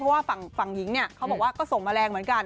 เพราะว่าฝั่งหญิงเขาบอกว่าก็ส่งมาแรงเหมือนกัน